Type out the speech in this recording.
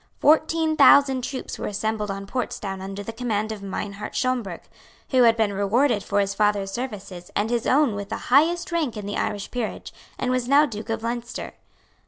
Fourteen thousand troops were assembled on Portsdown under the command of Meinhart Schomberg, who had been rewarded for his father's services and his own with the highest rank in the Irish peerage, and was now Duke of Leinster.